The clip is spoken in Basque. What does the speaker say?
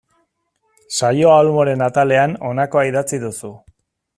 Saioa Olmoren atalean honakoa idatzi duzu.